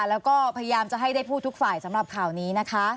แล้วก็พยายามจะให้ได้พูดทุกฝ่ายสำหรับข่าวนี้นะคะ